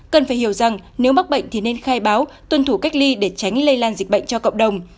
cần phải hiểu rằng nếu mắc bệnh thì nên khai báo tuân thủ cách ly để tránh lây lan dịch bệnh cho cộng đồng